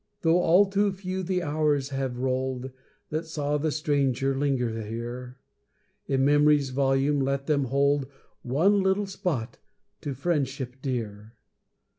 Though all too few the hours have roll'd That saw the stranger linger here, In memory's volume let them hold One little spot to friendship dear.